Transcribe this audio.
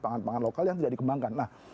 pangan pangan lokal yang tidak dikembangkan